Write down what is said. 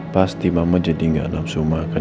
pasti mama jadi nggak nafsu makan